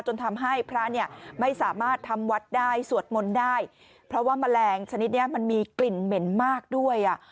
ต้องทำให้พระไม่สามารถทำวัดได้สวดมนต์ได้เพราะว่าแมลงชนิดนี้มีกลิ่นเหม็นมากด้วย